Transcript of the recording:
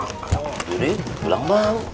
anak sendiri dibilang bau